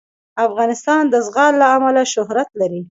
افغانستان د زغال له امله شهرت لري.